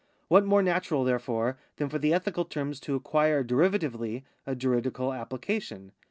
What more natural, therefore, than for the ethical terms to acquire derivatively a juridical application